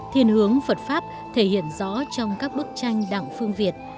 thiền hướng phật pháp thể hiện rõ trong các bức tranh đằng phương việt